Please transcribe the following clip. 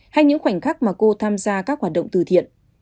hay những khoảnh khắc mà cô tham gia các hoạt động từ thiện